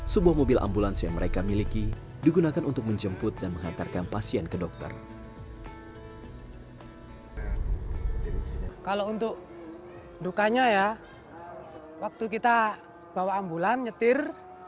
sebuah mobil ambulans yang mereka miliki digunakan untuk menjemput dan mengantarkan pasien ke dokter